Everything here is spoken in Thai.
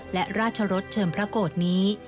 และราชรสเชิมพระโกรธนี้